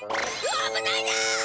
あぶないだ！